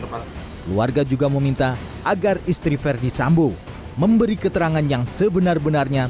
keluarga juga meminta agar istri verdi sambo memberi keterangan yang sebenar benarnya